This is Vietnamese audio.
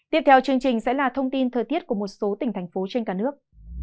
tiếp theo chương trình sẽ là thông tin thời tiết của một số tỉnh thành phố trên cả nước